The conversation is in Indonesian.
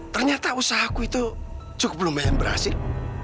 ternyata usahaku itu cukup lumayan berhasil